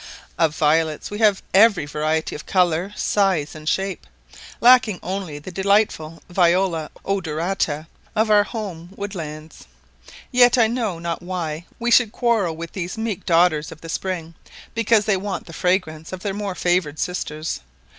Of Violets, we have every variety of colour, size and shape, lacking only the delightful viola odorata of our home woodlands: yet I know not why we should quarrel with these meek daughters of the spring, because they want the fragrance of their more favoured sisters.